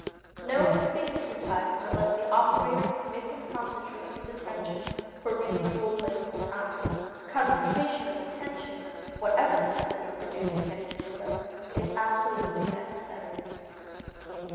No one can be hypnotized unless the operator can make him concentrate his attention for a reasonable length of time. Concentration of attention, whatever the method of producing hypnotism, is absolutely necessary.